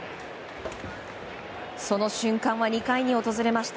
その瞬間は２回に訪れました。